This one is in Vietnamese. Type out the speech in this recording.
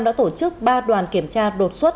đã tổ chức ba đoàn kiểm tra đột xuất